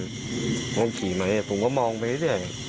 ผมขี่ไหมผมก็มองไปเรื่อย